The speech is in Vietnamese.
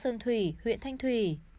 công an huyện thanh thủy huyện thanh thủy